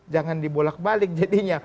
jangan dibolak balik jadinya